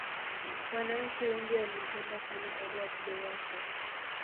wananchi wengi walimpenda sana edward lowasa